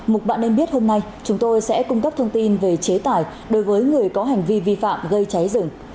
mục bạn nên biết hôm nay chúng tôi sẽ cung cấp thông tin về chế tải đối với người có hành vi vi phạm gây cháy rừng